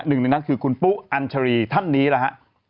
หนึ่งในนั้นคือคุณปุ๊อัญชรีท่านนี้แหละฮะ